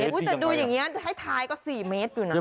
แต่ดูอย่างนี้ให้ทายก็๔เมตรอยู่นะ